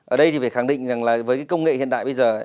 ở đây thì phải khẳng định rằng là với cái công nghệ hiện đại bây giờ